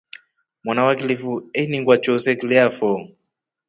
Mwana wa kilifu einingwa choose kilya fo.